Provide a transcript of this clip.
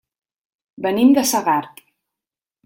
Venim de Segart.